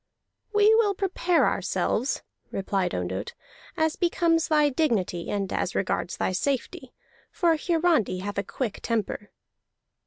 "We will prepare ourselves," replied Ondott, "as becomes thy dignity and as regards thy safety, for Hiarandi hath a quick temper."